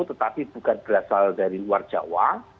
tetapi bukan berasal dari luar jawa